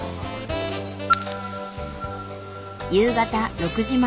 夕方６時前。